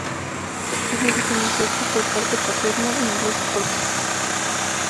Tiene orígenes suecos por parte paterna e ingleses por parte materna.